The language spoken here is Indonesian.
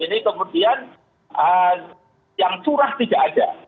ini kemudian yang curah tidak ada